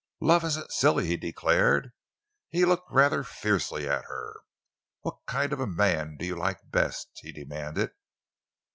"Love isn't silly," he declared. He looked rather fiercely at her. "What kind of a man do you like best?" he demanded.